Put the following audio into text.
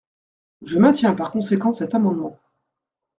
Je maintiens par conséquent cet amendement.